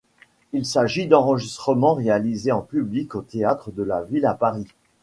Il s'agit d'enregistrements réalisés en public au théâtre de la Ville à Paris.